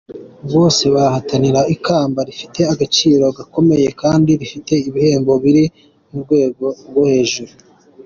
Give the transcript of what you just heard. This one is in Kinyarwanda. Bose barahatanira ikamba rifite agaciro gakomeye kandi rifite ibihembo biri ku rwego rwo hejuru.